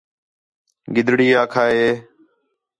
گِدڑی آکھا ہِے